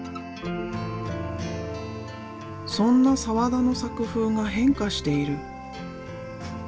そんな澤田の作風が変化している。